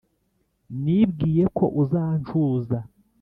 nibwiye ko uzancuza